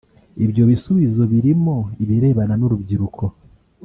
Ibyo bisubizo birimo ibirebana n’urubyiruko